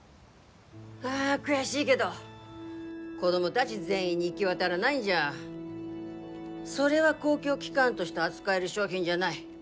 あ悔しいげど子供だぢ全員に行ぎ渡らないんじゃそれは公共機関として扱える商品じゃない。